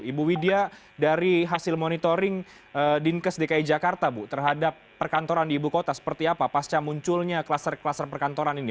ibu widya dari hasil monitoring dinkes dki jakarta bu terhadap perkantoran di ibu kota seperti apa pasca munculnya kluster kluster perkantoran ini